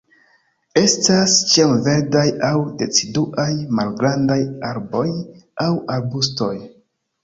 Estas ĉiamverdaj aŭ deciduaj, malgrandaj arboj aŭ arbustoj.